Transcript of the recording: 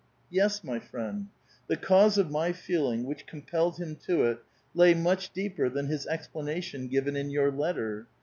Yes, my friend, the cause of my feeling, which ctompelled him to it, lay much deeper than his explanation given in your letter.